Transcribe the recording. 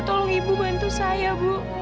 tolong ibu bantu saya bu